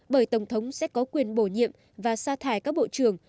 bởi tổng thống sẽ có quyền bổ nhiệm và xa thải các bộ trưởng